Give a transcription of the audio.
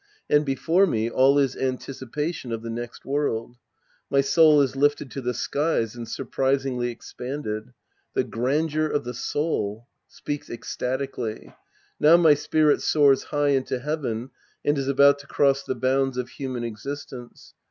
And before me, all is anticipation of the next world. My soul is lifted to the skies and surprisingly expanded. The grandeur of the soul ! (Speaks ecstaticly.) Now my spirit soars high into heaven and is about to cross the bounds of human existence.